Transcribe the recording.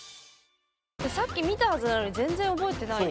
さっき見たはずなのに全然覚えてないや。